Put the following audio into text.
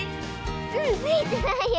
うんついてないよ！